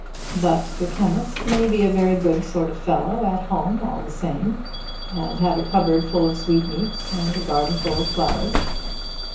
"But the chemist may be a very good sort of fellow at home all the same, and have a cupboard full of sweetmeats and a garden full of flowers.